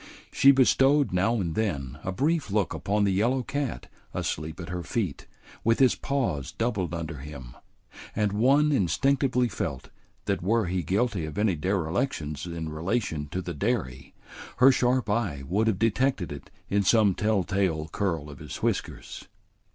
She bestowed now and then a brief look upon the yellow cat asleep at her feet with his paws doubled under him, and one instinctively felt that were he guilty of any derelictions in relation to the dairy, her sharp eye would have detected it in some tell tale curl of his whiskers.